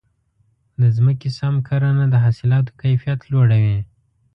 د ځمکې سم کرنه د حاصلاتو کیفیت لوړوي.